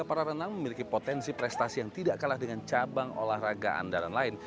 para renang memiliki potensi prestasi yang tidak kalah dengan cabang olahraga andalan lain